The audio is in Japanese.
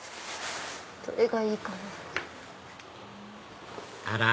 どれがいいかな。